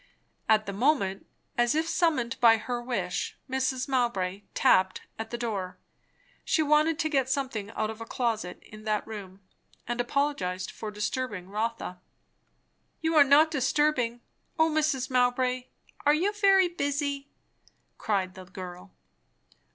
At the moment, as if summoned by her wish, Mrs. Mowbray tapped at the door; she wanted to get something out of a closet in that room, and apologized for disturbing Rotha. "You are not disturbing O Mrs. Mowbray, are you very busy?" cried the girl.